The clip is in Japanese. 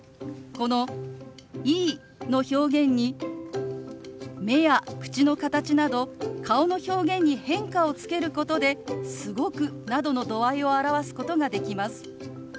この「いい」の表現に目や口の形など顔の表現に変化をつけることで「すごく」などの度合いを表すことができます。